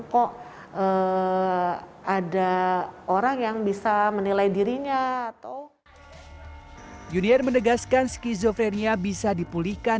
kok ada orang yang bisa menilai dirinya atau junior menegaskan skizofrenia bisa dipulihkan